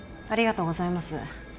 ありがとうございます